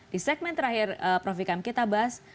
di segmen terakhir profikam kita bahas